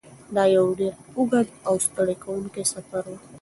دا یو ډېر اوږد او ستړی کوونکی سفر و.